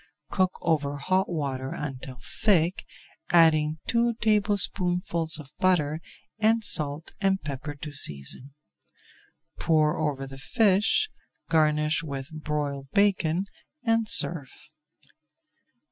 Cook over hot water until thick, adding two tablespoonfuls of butter and salt and pepper to season. Pour over the fish, garnish with broiled bacon and serve.